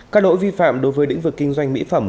các lỗi vi phạm đối với lĩnh vực kinh doanh mỹ phẩm